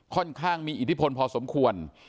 ค่อนข้างมีอิทธิพลพอสมควร